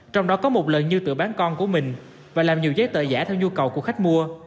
trong đó có một lần như tự bán con của mình và làm nhiều giấy tờ giả theo nhu cầu của khách mua